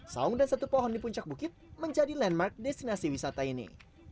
saung dan satu pohon di puncak bukit menjadi landmark destinasi wisata ini